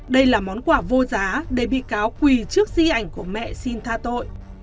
đây là món quà vô giá để bị cáo quỳ trước di ảnh của mẹ xin tha tội